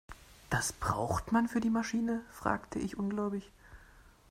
Das braucht man für die Maschine?, fragte ich ungläubig.